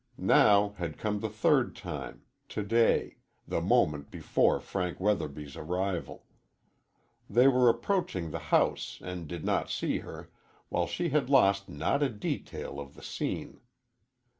Now had come the third time to day the moment before Frank Weatherby's arrival. They were approaching the house and did not see her, while she had lost not a detail of the scene.